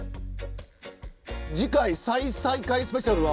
次回再再会スペシャルは。